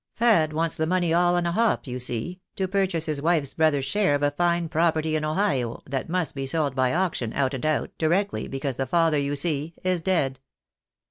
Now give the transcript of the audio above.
Fad wants the money all on a hop, you see, to purchase his wife's brother's share of a fine property in Ohio, that must be sold by auction out and out, directly, because the father, you see, is dead.